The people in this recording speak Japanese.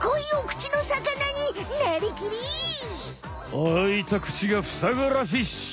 あいた口がふさがらフィッシュ！